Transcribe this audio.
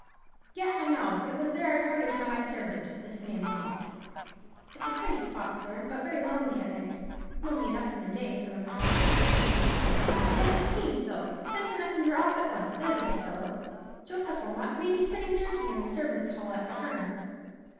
"Yes, I know; it was there I parted from my servant—from this man Wilmot." "It's a pretty spot, sir, but very lonely at night; lonely enough in the day, for the matter of that." "Yes, it seems so. Send your messenger off at once, there's a good fellow. Joseph Wilmot may be sitting drinking in the servants' hall at the Ferns."